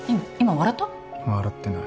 笑ってない。